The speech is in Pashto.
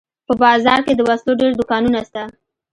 په بازار کښې د وسلو ډېر دوکانونه سته.